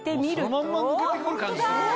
そのまんま抜けてくる感じするね。